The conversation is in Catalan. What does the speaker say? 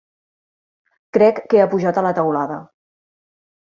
Crec que ha pujat a la teulada.